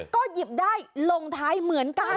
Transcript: ก็หยิบได้ลงท้ายเหมือนกัน